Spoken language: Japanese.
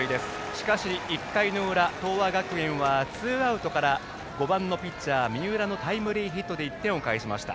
しかし１回の裏、東亜学園はツーアウトから５番のピッチャー三浦のタイムリーヒットで１点を返しました。